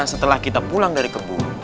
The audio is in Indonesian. setelah kita pulang dari kebun